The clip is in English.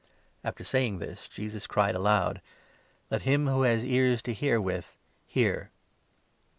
After saying this, Jesus cried aloud :" Let him who has ears to hear with hear."